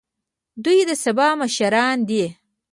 دوی د سبا مشران دي